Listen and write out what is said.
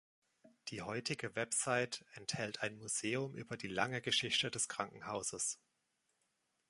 Die heutige Website enthält ein Museum über die lange Geschichte des Krankenhauses.